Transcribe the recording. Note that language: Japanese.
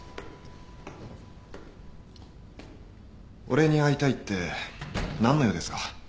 俺に会いたいって何の用ですか？